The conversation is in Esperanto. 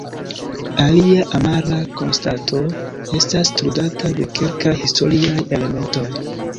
Alia amara konstato estas trudata de kelkaj historiaj elementoj.